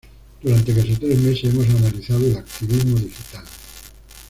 Durante casi tres meses, hemos analizado el activismo digital